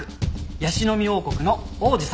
ヤシの実王国の王子様。